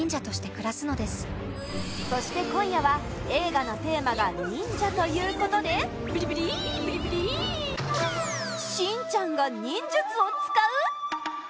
そして今夜は、映画のテーマが「忍者」ということでしんちゃんが忍術を使う！？